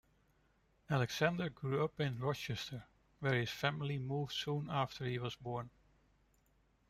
Alexander grew up in Rochester, where his family moved soon after he was born.